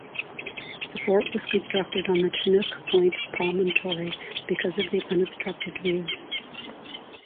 The fort was constructed on the Chinook Point promontory because of the unobstructed view.